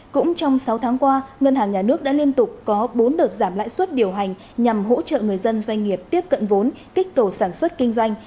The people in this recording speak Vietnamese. cũng trong sáu tháng qua ngân hàng nhà nước đã liên tục có bốn đợt giảm lãi suất điều hành nhằm hỗ trợ người dân doanh nghiệp tiếp cận vốn kích cầu sản xuất kinh doanh